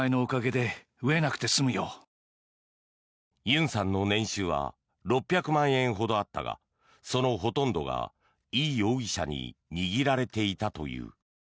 ユンさんの年収は６００万円ほどあったがそのほとんどがイ容疑者に握られていたという。